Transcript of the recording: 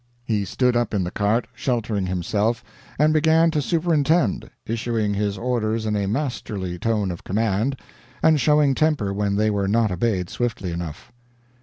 He stood up in the cart, sheltering himself, and began to superintend, issuing his orders in a masterly tone of command, and showing temper when they were not obeyed swiftly enough.